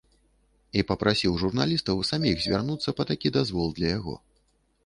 І папрасіў журналістаў саміх звярнуцца па такі дазвол для яго.